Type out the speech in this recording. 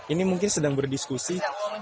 ini mungkin sedang berdiskusi